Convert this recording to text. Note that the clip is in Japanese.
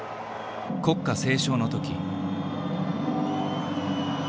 国歌斉唱の時。